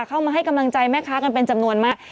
เข้ามาให้กำลังใจแม่ค้ากันเป็นจำนวนมาก